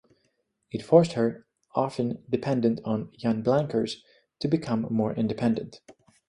It forced her, often dependent on Jan Blankers, to become more independent.